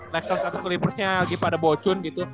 rekrits satu dan reverse nya lagi pada bocun gitu